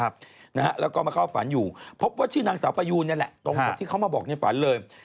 แล้วก็มาเข้าฝันอยู่พบว่าชื่อนางสาวประยูนนี่แหละตรงกับที่เขามาบอกในฝันเลย